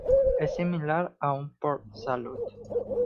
Es similar a un port-salut.